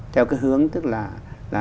theo cái hướng tức là